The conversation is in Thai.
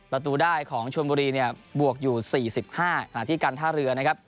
ประตูได้ของชวนบุรีเนี่ยบวกอยู่๔๕ขณะที่การท่าเรือนะครับ